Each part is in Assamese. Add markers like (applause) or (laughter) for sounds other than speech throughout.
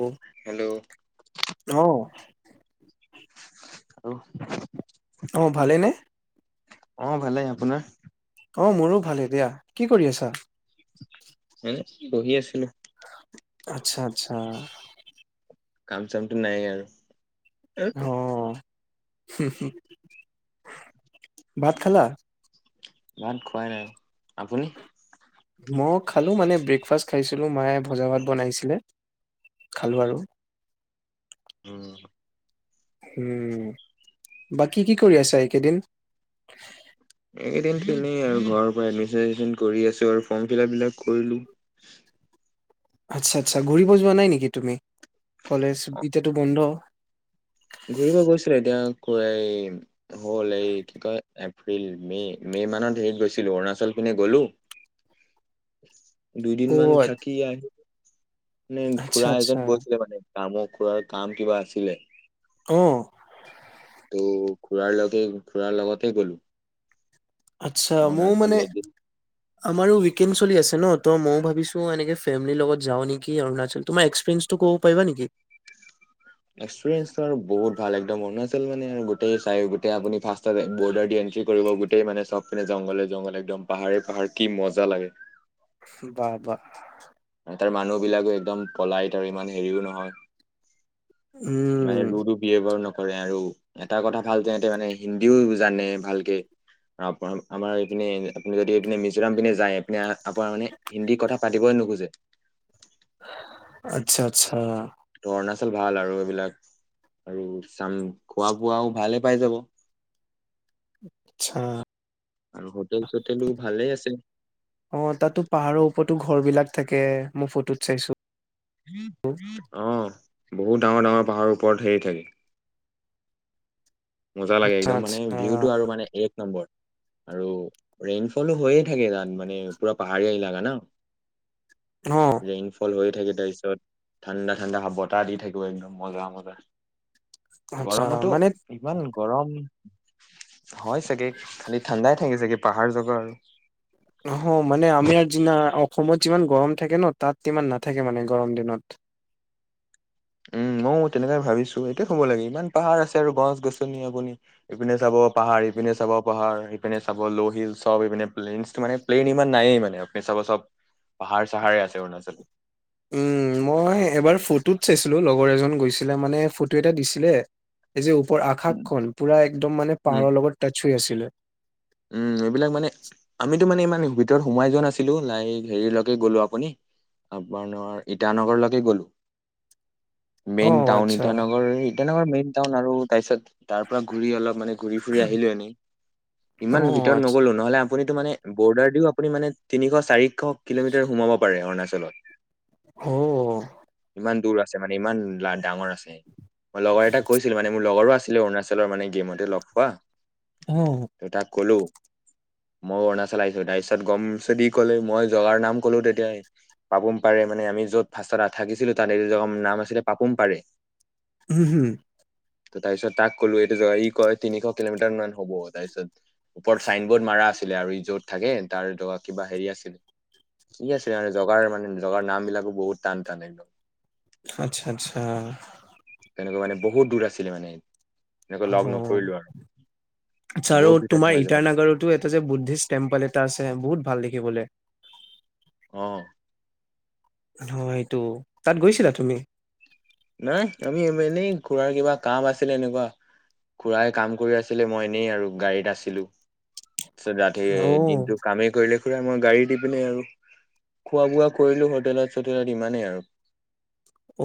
আহ হেল্ল' নাহ আৰু অও অ ভালেনে অ ভালেই আপোনাৰ অ মোৰো ভাল হে দিয়া কি কৰি আছা হম বহি আছিলোঁ আচ্ছা আচ্ছা হ কাম চামটো নাই আৰু অঅঅঅঅঅঅ হি হি ভাত খালা ভাত খুৱাই নাই আপুনি মই খালোঁ মানে ব্ৰেকফাষ্ট খাইছিলোঁ মায়ে ভজা ভাত বনাইছিলে খালোঁ আৰু উও উও বাকী কি কৰি আছা এইকেইদিন এইকেইদিন তেনেই আৰু ঘৰৰ পৰা এদমিচন কৰি আছো আৰু ফৰ্ম ফিল আপ বিলাক কৰিলো আচ্ছা আচ্ছা ঘূৰিব যোৱা নাই নেকি তুমি কলেজ এতিয়াটো বন্ধ ঘুৰিব গৈছিলো এতিয়া এই হ'ল এই কি কয় এপ্ৰিল মে মে মানত হেৰিত গৈছিলো অৰুণাচল পিনে গলো অ দুইদিন মান থাকি আহিলো ন আচ্ছা খুড়া আচ্ছা এজন গৈছিলে মানে কামক কোৱা কাম কিবা আছিলে অহ ত খুৰাৰ লগে খুৰাৰ লগতে গ'লো আচ্ছা মোৰ অৰুণাচল মানে এদিন আমাৰো উইকেণ্ড চলি আছে ন ত মইও ভাবিছো ফেমিলিৰ লগত যাওঁ নেকি অৰুণাচল তোমাৰ এক্সপিৰিয়েঞ্চটো ক'ব পাৰিবা নেকি এক্সপিৰিঞ্চটো আৰু বহুত ভাল একদম অৰুণাচল মানে আৰু গোটেইবোৰ চাই গোটেই আপুনি ফাচ টাইম বৰ্ডাৰ দি এণ্ট্ৰি কৰিব গোটেই মানে চব পিনে জংঘলে জংঘলে একদম পাহাৰে পাহাৰ কি মজা লাগে বাহ বাহ আৰু তাৰ মানুহ বিলাকো একদম পলাই হয় তাৰ ইমান হেৰিও নহয় উম কিমানে লুডু পি এবাৰ ন (unintelligible) কৰে আৰু এটা কথা ভাল যে তেওঁ মানে হিন্দীও জানে ভালকে আৰু আমাৰ এইপিনে আপুনি যদি এইপিনে মিজোৰাম পিনে যায় পিনে আপোনাৰ মানে হিন্দী কথা পাতিবই নোখোজে আচ্ছা আচ্ছা ত অৰুণাচল ভাল আৰু এইবিলাক আৰু চাম খোৱা বোৱাও ভালে পাই যাব আটছা আৰু হোটেল চোটেলো ভালেই আছে অ তাতো পাহাৰৰ ওপৰতো ঘৰ বিলাক থাকে মোৰ ফটোত চাইছো অ বহুত ডাঙৰ ডাঙৰ পাহাৰৰ ওপৰত হেৰি থাকে মজা লাগে আচ্ছা একদম মানে আচ্ছা ভিউটো আৰু মানে এক এক নম্বৰ আৰু ৰেইন ফলো হৈয়ে থাকে তাত মানে পুৰা পাহাৰীয়া এলেকা ন অ ৰেইনফল হৈ থাকে তাৰপিছত ঠাণ্ডা ঠাণ্ডা বতাহ দি থাকিব একদম মজা মজা আচ্ছা গৰমতো মানে ইমান গৰম হয় চাগে খালি ঠাণ্ডাই থাকে চাগে পাহাৰ জেগা আৰু নহয় মানে আমি আগ দিনা অসমত যিমান গৰম থাকে ন তাত সিমান নাথাকে মানে গৰম দিনত উম ময়ো তেনেকে ভাবিছো এইটো হ'ব লাগে ইমান পাহাৰ আছে আৰু গছ গছনি আপুনি ইপিনে চাব পাহাৰ ইপিনে চাব পাহাৰ ইপিনে চাব ল'হিল চব ইপিনে প্লেইন মানে প্লেইন ইমান নায়েই মানে আপুনি চাব চব পাহাৰ চাহাৰে আছে অৰুণাচলত উম মই এবাৰ ফটোত চাইছিলো লগৰ এজন গৈছিলে মানে ফটো এটা দিছিলে এই যে ওপৰ উম, আকাশখন পুৰা একদম মানে পাহাৰৰ লগত টাচ সি আছিলে উম, এইবিলাক মানে আমিতো মানে ইমান ভিতৰত সোমাই যোৱা নাছিলোঁ, লাই, হেৰিলৈকে গ'লো, আপুনি আপোনাৰ ইটানগৰলৈকে গ'লোঁ। অ মেইন টাউন আচ্ছা ইটানগৰ, ইটানগৰ মেইন টাউন আৰু তাৰপিছত তাৰ পৰা ঘূৰি অলপ মানে ঘূৰি ফুৰি আহিলোঁ এনে। অ ইমান ভিতৰত আচ্ছা নগ'লো নহ'লে আপুনিতো মানে ব'ৰ্ডাৰ দিও আপুনি মানে তিনিশ চাৰি এশ কিলোমিটাৰ সোমাব পাৰে অৰুণাচল তেলত অ'। ইমান দূৰ আছে মানে ইমান লা ডাঙৰ আ (unintelligible) মই লগৰ এটা কৈছিল মানে মোৰ লগৰো আছে (unintelligible) অৰুণাচলৰ মানে গেমতে লগ পোৱা অ'। দেউতাক কলোঁ, মই অৰুণাচল আহিছোঁ, তাৰ পিছত গম চদি কলে মই জগাৰ নাম কলো তেতিয়া পাপোম পাৰে মানে আমি য'ত ফাৰ্ষ্ট থাকিছিলোঁ তাত জাৰ নাম আছিলে পাপোম পাৰে। উম হম। ত' তাৰ পিছত তাক কলোঁ এইটো (unintelligible) ই কয় তিনিশ কিলোমিটাৰ মান হ'ব। তাৰিছত ওপৰত ছাইনবোৰ্ড মাৰা আছে। ছিলে আৰু ই য'ত থাকে তাৰ জগা কিবা হেৰি আছিলে, কি আছিলে মানে জগাৰ মানে জগাৰ নাম বিলাকো বহুত টান টান একদম। আচ্ছা, আচ্ছা। তেনেকুৱা মানে বহুত দূৰ আছিলে মানে। এনেকৈ লগ নকৰিলোঁ আৰু। চাৰো বহুত ভিতৰত সোমাই তোমাৰ যাব লাগে। ইটাৰনাগৰতৰতো এটা যে বুদ্ধিষ্ট টেম্পল এটা আছে, বহুত ভাল দেখে হি বোলে অ'। অ' এইটো, তাত গৈছিলা তুমি? নাই আমি এনেই খুৰাৰ কিবা কাম আছিলে এনেকুৱা, খুৰাাই কাম কৰি আছিলে। মই এনেই আৰু গাড়ীত আছিলোঁ। (unintelligible) সি অ দিনটো কামেই কৰিলে। খুৰা মই গাড়ী দি পিনে আৰু খোৱা বোৱা কৰিলোঁ হোটেলত-চোটেলত ইমানেই আৰু।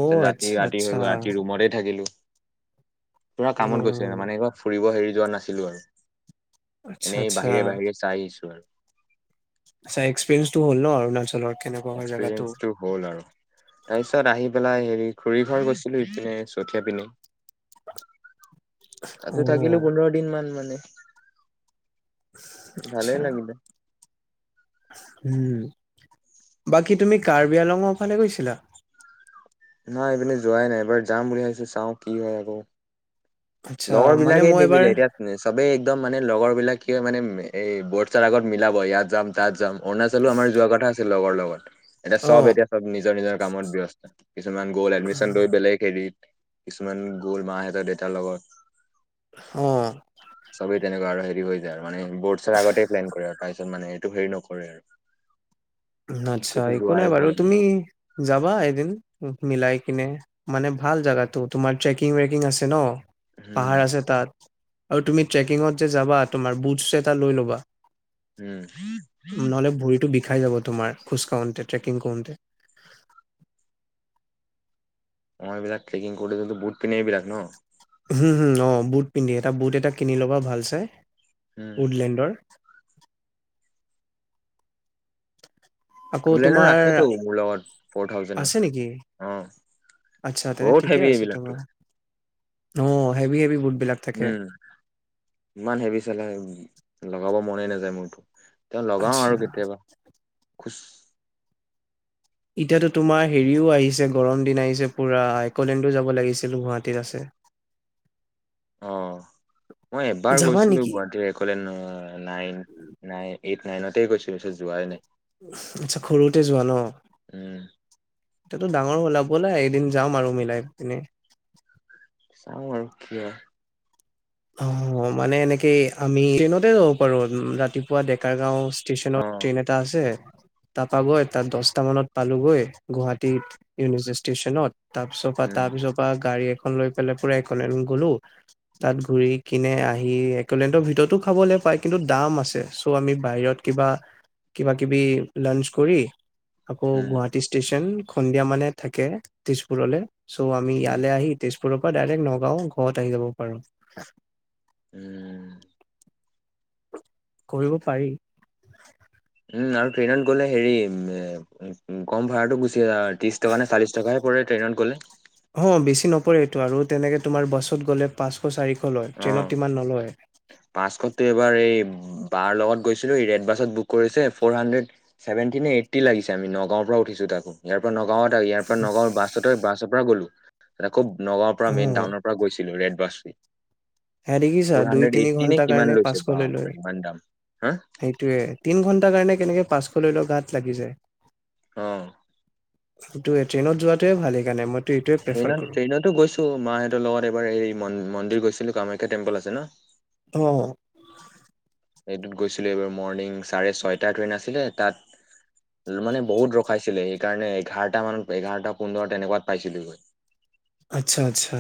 অ', আ ই ৰাতি হৈ ৰাতি ৰুমতে থাকিলোঁ। পুৰা কামত গৈছিলে উম মানে কিবা ফুৰিব হেৰি যোৱা নাছিলোঁ আৰু। আচ্ছা এনেই আচ্ছা বাহিৰে বাহিৰে চাই আহিছোঁ আৰু। চা এক্সপেৰিয়েঞ্চটো হ'ল ন অৰুণাচলৰ। কেনেকুৱা হয় জেগাটো এক্সপিৰিয়েঞ্চটো হ'ল আৰু তাৰ পিছত আহি পেলাই। এই খুৰী ঘৰ গৈছিলো ইপিনে চঠিয়া পিনে। অ তাতো থাকিলো পোন্ধৰ দিন মান মানে হে। ভালেই লাগিলে। হম বাকী তুমি কাৰ্বি আলঙৰ ফালে গৈছিলা? নাই এইপিনে যোৱাই নাই এইবাৰ যাম বুলি ভাবিছো চাওঁ কি হয় আকৌ। আচ্ছা লগৰ মানে বিলাকে মই এবাৰ নিমিলে এতিয়া চবেই একদম মানে লগৰ। বিলাকে মানে এই বৰ্ডছাৰ আগত মিলাব ইয়াত যাম তাত যাম। অৰুণাচলো আমাৰ যোৱা কথা আছিল লগৰ লগত। (unintelligible) এতিয়া অ চব এতিয়া চব নিজৰ নিজৰ কামত ব্যস্ত কিছুমান গ'ল এডমিচন লৈ বেলেগ হেৰিত কিছুমান গ'ল মাহেঁতৰ দেটাৰ লগত। অ চবেই তেনেকুৱা আৰু। (unintelligible) মানে বৰ্ছৰ আগতে প্লেন কৰে আৰু তিত মানে এইটো হেৰি নকৰে আৰু আচ্ছা ক'তো একো যোৱাই নাই বাৰু হোৱাই তুমি যাবা এদিন। মিলাই কিনে মানে ভাল জাগাটো তোমাৰ ট্ৰেকিং ৱেকিং আছে ন উম পাহাৰ আছে তাত। আৰু তুমি ট্ৰেকিঙত যে যাবা তুমাৰ বুটছ এটা লৈ ল'বা উম। খাই যাব। তোমাৰ খোজকাঢ়তে ট্ৰেকিং কৰোঁতে অ এইবিলাক ট্ৰেকিং কৰোতে বুট পিন্ধে এইবিলাক ন। হম হুম অ বুট পিন্ধে এটা বুট এটা কিনি ল'বা ভাল চে। উম উডলেণ্ডৰ আকৌ এইবিলাক তোমাৰ আছেতো মোৰ লগত ফৰ আছে নেকি? থাউজেডৰ অ আচ্ছা তেনে বহুত ঠিকে হেবি আছে এইবিলাকটো তোমাৰ অ হেভি হেভি বুট। বিলাক উম থাকে। ইমান হেবি চালে লগ। লগাব মনেই নাযায় মোৰতো। তেওঁ লগাও আচ্ছা আৰু কেতিয়াবা খোজ। এতিয়াতো তোমাৰ হেৰিও আহিছে গৰম দিন আহিছে পুৰা একলেণ্ডো যাব লাগিছিল গুৱাহাটীত আছে। অ মই এবাৰ যাবা গৈছিলো নেকি? গুৱাহাটীলে নাইন নাইন এইট নাইনত। তাকে কৈছোঁ। আচ্ছা সৰুতে যোৱা ন। উম এতিাতো ডাঙৰ হ'লা ব'লা এদিন যাম আৰু মিলাই পিনে। চাওঁ আৰু কি হয়। অ মানে এনেকে আমি ট্ৰেইনতে যাব পাৰো ৰাতিপুৱা ডেকাৰ গাঁও। ষ্টচনৰ অ ট্ৰেইন এটা আছে। তাৰপৰা গৈ তাত দহটা মানত পালোগৈ গুৱাহাটীত নিউ ষ্টেচনত। তাৰ পিছৰ পৰা, তাৰ উম পিছৰ পৰা গাড়ী খন লৈ পেলাই পুৰা এখন একোলেণ্ড গ'লো তাত ঘুৰি কিনে আহি এক'লেণ্ডৰ ভিতৰতো খাবলে পায় কিন্তু দাম আছে চ' আমি বাহিৰত কিবা কিবা কিবি লাঞ্চ কৰি আকৌ উম গুৱাহাটী ষ্টেচন সন্ধিয়া মানে থাকে তেজপুৰলে। চ' আমি উম ইয়লে আহি তেজপুৰ ফালৰ পৰা ডাইৰেক্ট নগাঁও ঘৰত আহিব পাৰা। (unintelligible) উম। কৰিব পাৰি। উম আৰু ট্ৰেইনত গ'লে হেৰি কম ভাড়াটো গুছি ত্ৰিশ টকা নে চাল্লিছ টকা হে পৰে, ট্ৰ্ৰেইনত গ'লে। টো আৰু তেনেকে তোমাৰ বাছত গ'লে পাঁচশ চাৰিশ। অ' ট্ৰেইনত ইমান নলয়। পাঁচশততো এবাৰ এই বাৰ লগত গৈছিলোঁ, এই ৰেড বাছত বুক কৰিছে, ফ'ৰ হাণ্ড্ৰেড ছেভেনটি ন এইট্টি লাগিছে আমি নগাঁওৰ পৰা উঠিছোঁ, ‌ তাকো। ইয়াৰ পৰা নগাঁও গাঁৱত আৰু ইয়াৰ পৰা নগাঁও বাছ, বাছত পৰা গ'লো আক। নগাঁৱৰ পৰা মেইন টাউনৰ পৰা গৈছিলোঁ, ৰেড বাছ হেৰি দেখিছা ফ'ৰ দুই হাণ্ড্ৰেড তিনি এইট্টি নে ঘণ্টা তাৰ কিমান কাৰণে লৈছে পাচঁশ লৈ লয়, বাপৰে ইমান দাম হা সেইটোৱে তিনিঘন্টা কাৰণে কেনেকে পাচঁশলৈ লয় গাত লাগি যায়। অহ সেই টোয়ে ট্ৰেইনত যোৱাতোয়ে ভাল সেইকাৰণে মই। ট্ৰেইনত ট্ৰেইনতো গৈছোঁ মাহঁতৰ লগত এবাৰ এই মন্দিৰ গৈছিলোঁ, কাম টেম্পল আছে ন। অ এইটোত গৈছিলো এইবাৰ মৰ্ণিং চাৰে ছয়টা ট্ৰেইন আছিলে, তাত মানে বহুত ৰখাইছিলে, সেইকাৰণে এঘাৰটা মানত এঘাৰটা পোন্ধৰ তেনেকুৱাত পাইছিলোহি। আচ্ছা। আচ্ছা।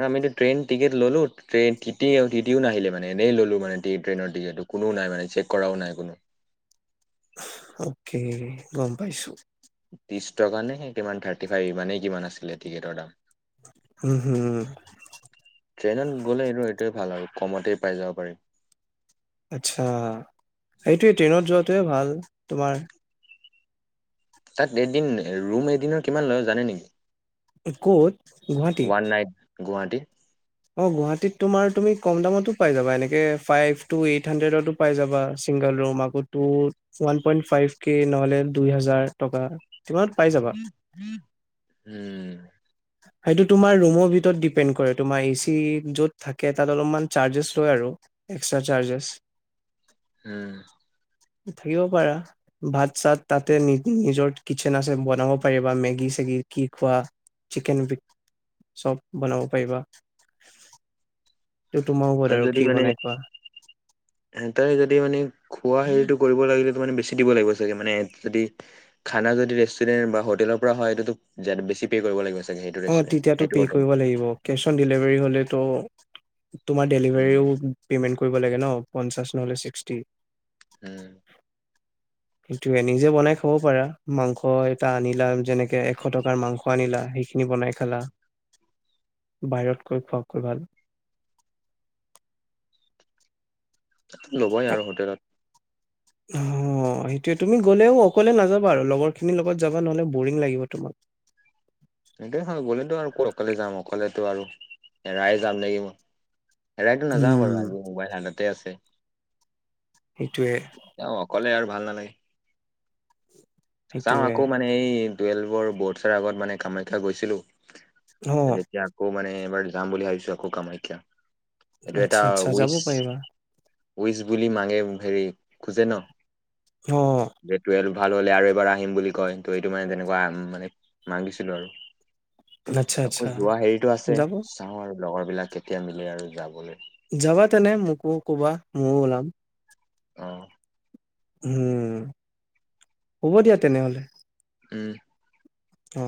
আমিতো ট্ৰেইন টিকট ল'লোঁ, ট্ৰন, টি টিও নাহিলে মান এনেই ল'লো মানে ট ট্ৰেইনৰ টিকেটটো কোনো নাই মানে চেক কৰাও নাই কোনো অকে গম পাইছো ত্ৰিছ টকা নে কিমান থাৰ্টি ফাইভ মানে কিমান আছিলে টিকেট দাম উম হুম ট্ৰেইনত গ'লে এইটো এইটোৱে ভাল আৰু কমতেই পাই যাব পাৰিম আচ্ছা সেইটোৱে ট্ৰেইনত যোৱাটোৱে ভাল তোমাৰ তাত এদিন ৰুম এদিনৰ কিমান লয় জানে নেকি কত গুৱাহাটী ওৱান নাইট গুৱাহাটী অ গুৱাহীত তোমাৰ তুমি কম দামতে পাই যাবাএনেকে ফাইব টুহানডেত চিংগুল যাবা এনেকেপাই যাবাওৱান পৱেন ফাইবকে নহলে দুহেজাৰ টকা কিমানত পাই যাবা উম উম উম সেইটো তোমাৰ ৰুমৰ ভিতৰত ডিপেণ্ড কৰে তোমাৰ এ চি য'ত থাকে তাত অলপমান চাৰ্জেছ লয় আৰু এক্সটা চাৰজেছ উম থাকিব পাৰা ভাত চাত তাতে নি নিজৰ কিটচেন আছে বনাব পাৰিবা মেগি চেগি কি খোৱা চিকেন বি চব বনাব পাৰিব আৰু যদি মানে স ত যদি মানে খোৱা হেৰিতটো কৰিব লাগিলেো মানে বেছি দিব লাগিব চাগে মানে যদি খানা যদি ৰেষ্টুৰেণ্ট বা হোটেলৰ পৰা হয় সো বেছি পে' কৰিব লাগিব চাগে সেইটো অ ৰেষ্টুৰেণ্ট তেতিয়টো সেইটো পে' হোটেল কৰিব লাগিব কেছ অন ডেলিভাৰী হ'লে ত তোমাৰ উম ডেলিভাৰীও পেমেণ্ট কৰিব লাগে ন পঞ্চাছ নহলে ছিক্সটি। হম, সেইটয়ে নিজে বনাই খাবও পাৰা মাংস এটা আনিলা যেনেকে এশ টকাৰ মাংস আনিলা সেইখিনি বনাই খালা বাহিৰতকৈ খোৱকৈ ভাল। ল'বই আৰু হোটেলত। অ সেইটোৱে তুমি গলেও অকলে নাযাবা আৰু লগৰ খিনিৰ লগত যাবা নহলে বৰিং লাগিব তোমাক। স গ'লেতো আৰু অকলে যাম অকলেতো আৰু এৰাই যাম নেকি মই। ৰাৰেড ন যামওঁ পাৰ উম আজি মবাইল হাত তে আছে। সেইটোৱে। কলে আৰু ভাল নালাগে। চওঁ সেইটোৱে আকৌ মানে এই টুৱেল্ভৰ বৰ্ছৰ আগত মানে কামাখ্যা গৈছিলো। অ এে (unintelligible) ত আকৌ মানে? এইবাৰ যাম বুলি ভাবিছো আকৌ কামাখ্যা। এইটো এটা আচ্ছা-আচ্ছা যাব উইচ পাৰিবা। উইচ বুলি মাঙে হেৰি খোজে ন। অ দে টুৱেলভ ভাল হ'লে আৰু বাৰ আহিম বুলি কয় ত এইটো মানে তেনেকুৱা মানে মাগিছিলো আৰু। আচ্ছা আকৌ আচ্ছা যোৱা হেৰিতটো আছে যাব চাওঁ আৰু। লগৰ বিলাক কেতিয়া মিলে আৰু যাবলৈ। যাবা তেনে মোকো কবা ময়ো ওলাম। আহ, উম হ'ব দিয়া তেনেহলে। উম, অ,